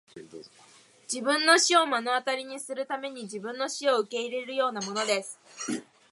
自分の死を目の当たりにするために自分の死を受け入れるようなものです!